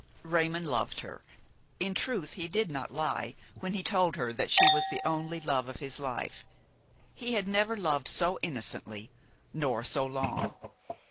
Raymon loved her. In truth he did not lie when he told her that she was the only love of his life; he had never loved so innocently nor so long.